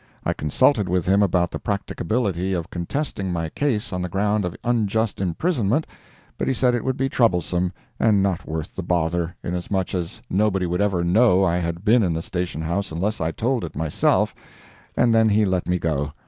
I consulted with him about the practicability of contesting my case on the ground of unjust imprisonment, but he said it would be troublesome, and not worth the bother, inasmuch as nobody would ever know I had been in the Station House unless I told it myself, and then he let me go.